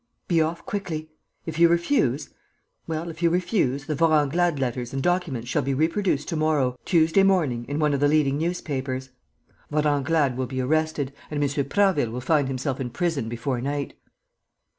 Be off, quickly!... If you refuse, well, if you refuse, the Vorenglade letters and documents shall be reproduced to morrow, Tuesday, morning in one of the leading newspapers.' Vorenglade will be arrested. And M. Prasville will find himself in prison before night.